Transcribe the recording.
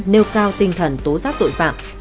nêu cao tinh thần tố giác tội phạm